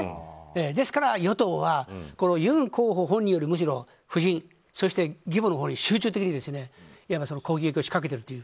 ですから与党はユン候補本人より夫人そして義母のほうに集中的に攻撃を仕掛けているという。